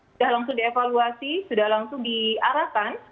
sudah langsung dievaluasi sudah langsung diarahkan